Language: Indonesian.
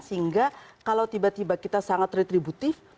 sehingga kalau tiba tiba kita sangat retributif